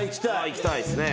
いきたいっすね。